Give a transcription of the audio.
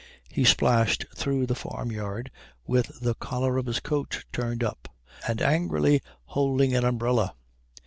He splashed through the farmyard with the collar of his coat turned up and angrily holding an umbrella.